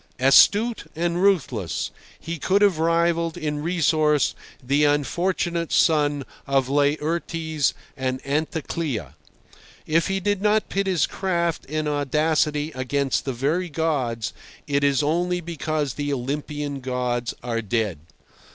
Astute and ruthless, he could have rivalled in resource the unfortunate son of Laertes and Anticlea. If he did not pit his craft and audacity against the very gods, it is only because the Olympian gods are dead.